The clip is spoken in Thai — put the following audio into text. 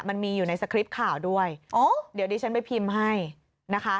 มันมีอยู่ในสคริปต์ข่าวด้วยอ๋อเดี๋ยวดิฉันไปพิมพ์ให้นะคะ